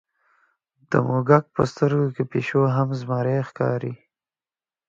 د موږک په سترګو کې پیشو هم زمری ښکاري.